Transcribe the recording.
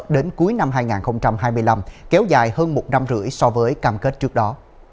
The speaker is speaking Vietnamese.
đến cuối năm hai nghìn hai mươi năm kéo dài hơn một năm rưỡi so với cam kết trước đó